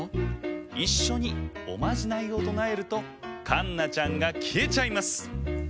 いっしょにおまじないをとなえるとかんなちゃんがきえちゃいます！